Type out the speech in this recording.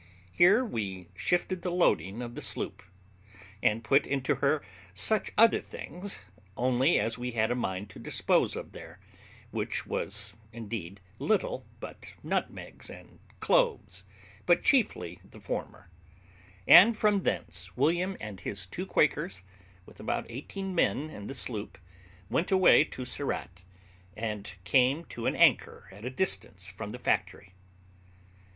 Here we shifted the loading of the sloop, and put into her such things only as we had a mind to dispose of there, which was indeed little but nutmegs and cloves, but chiefly the former; and from thence William and his two Quakers, with about eighteen men in the sloop, went away to Surat, and came to an anchor at a distance from the factory.